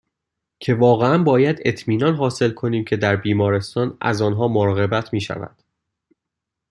که واقعاً باید اطمینان حاصل کنیم که در بیمارستان از آنها مراقبت میشود